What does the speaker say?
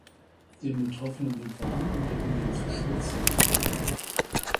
Dem Betroffenen wird warm und er beginnt zu schwitzen.